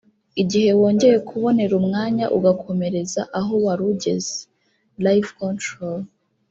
igihe wongeye kubonera umwanya ugakomereza aho wari ugeze (live Control)